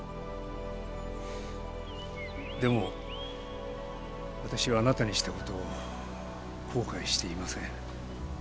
でもわたしはあなたにしたことを後悔していません。